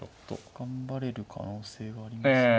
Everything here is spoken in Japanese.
頑張れる可能性がありますね。